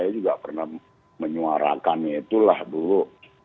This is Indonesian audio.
saya juga pernah menyuarakannya itulah dulu